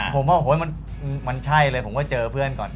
ผมว่ามันใช่เลยผมก็เจอเพื่อนก่อน